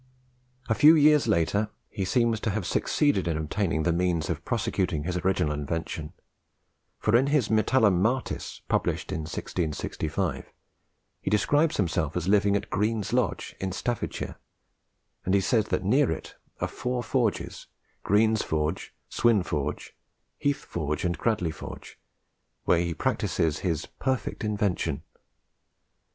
A few years later, he seems to have succeeded in obtaining the means of prosecuting his original invention; for in his Metallum Martis, published in 1665, he describes himself as living at Green's Lodge, in Staffordshire; and he says that near it are four forges, Green's Forge, Swin Forge, Heath Forge, and Cradley Forge, where he practises his "perfect invention."